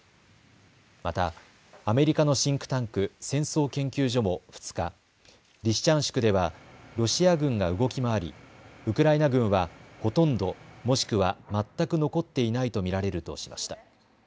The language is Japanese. またアメリカのシンクタンク、戦争研究所も２日、リシチャンシクではロシア軍が動き回りウクライナ軍はほとんど、もしくは全く残っていないと見られるとしました。